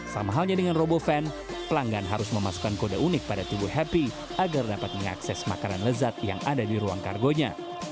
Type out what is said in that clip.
sama halnya dengan robovan pelanggan harus memasukkan kode unik pada tubuh happy agar dapat mengakses makanan lezat yang ada di ruang kargonya